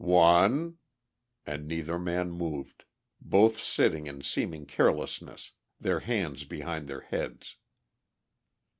"One," and neither man moved, both sitting in seeming carelessness, their hands behind their heads.